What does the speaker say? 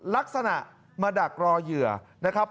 ลักษณะมาดักรอเหยื่อนะครับ